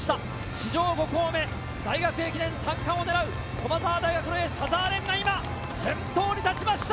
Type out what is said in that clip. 史上５校目、大学駅伝三冠を狙う駒澤大学のエース・田澤廉、先頭に立ちました。